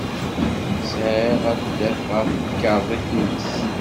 Sɛiɣ adaf ɣer temkarḍit-nnes.